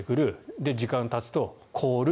で、時間がたつと凍る。